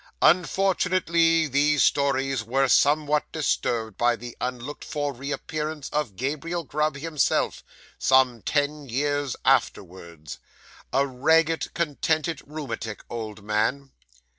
'Unfortunately, these stories were somewhat disturbed by the unlooked for reappearance of Gabriel Grub himself, some ten years afterwards, a ragged, contented, rheumatic old man.